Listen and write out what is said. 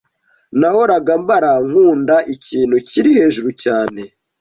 Nahoraga mbara nkunda ikintu kiri hejuru cyane